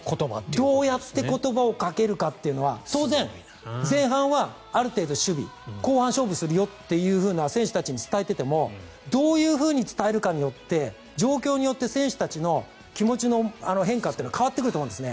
どうやって言葉をかけるかというのは当然、前半はある程度、守備後半勝負するよと選手たちに伝えていてもどういうふうに伝えるかによって状況によって選手たちの気持ちの変化というのは変わってくると思うんですね。